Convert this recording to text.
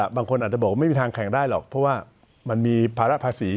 บางคนอาจจะบอกว่าไม่มีทางแข่งได้หรอกเพราะว่ามันมีภาระภาษี